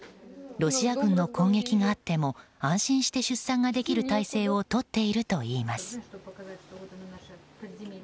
ロシア軍の攻撃があっても安心して出産ができる体制をとっているといいます。